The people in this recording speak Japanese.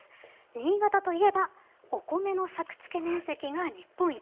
新潟といえばお米の作付面積が日本一。